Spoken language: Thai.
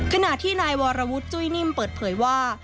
ขณะที่นายวรวุฒิจุ้ยนิ่มเปิดเผยว่า